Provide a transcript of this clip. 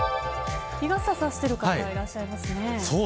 日傘を差している方がいらっしゃいますね。